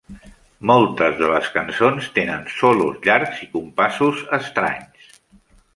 Moltes de les cançons tenen solos llargs i compassos estranys.